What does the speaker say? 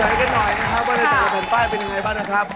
ว่าในจัดการว่าเป็นไงบ้างนะครับ